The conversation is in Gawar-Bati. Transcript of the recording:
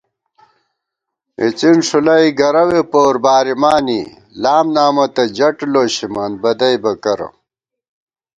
اِڅِن ݭُلَئ گَرَوے پور بارِمانی ، لام نامہ تہ جٹ لوشِمان ، بدَئیبہ کرہ